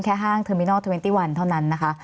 แค่ห้างเทอร์มินอล๒๑เท่านั้นนะคะ